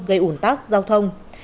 gây ủn tắc giao thông